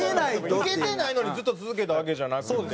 ウケてないのにずっと続けたわけじゃなくて。